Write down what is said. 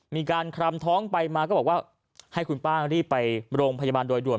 มีการคลำท้องไปมาก็บอกว่าให้คุณป้ารีบไปโรงพยาบาลโดยด่วน